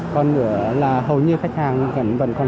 còn nữa là hầu như khách hàng vẫn còn